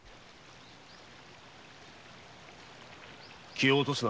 気を落とすな。